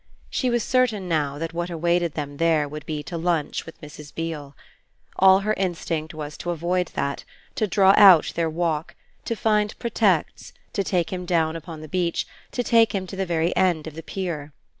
She was certain now that what awaited them there would be to lunch with Mrs. Beale. All her instinct was to avoid that, to draw out their walk, to find pretexts, to take him down upon the beach, to take him to the end of the pier.